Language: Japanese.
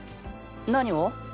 何を？